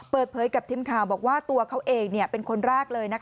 เปิดเผยกับทีมข่าวบอกว่าตัวเขาเองเป็นคนแรกเลย